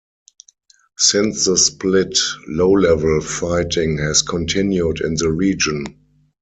Since the split, low-level fighting has continued in the region.